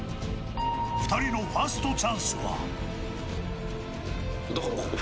２人のファーストチャンスは。